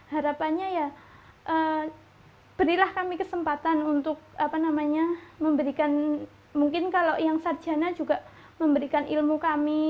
harapannya ya berilah kami kesempatan untuk memberikan mungkin kalau yang sarjana juga memberikan ilmu kami